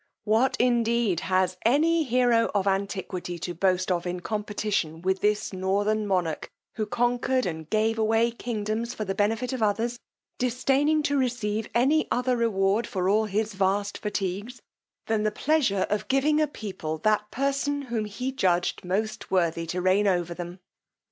What indeed has any hero of antiquity to boast of in competition with this northern monarch, who conquered and gave away kingdoms for the benefit of others, disdaining to receive any other reward for all his vast fatigues, than the pleasure of giving a people that person whom he judged most worthy to reign over them!